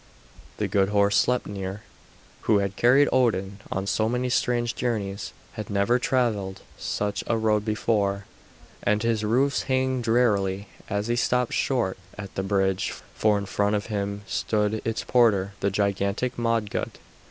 The good horse Sleipner, who had carried Odin on so many strange journeys, had never travelled such a road before, and his hoofs rang drearily as he stopped short at the bridge, for in front of him stood its porter, the gigantic Modgud.